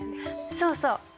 そうそう。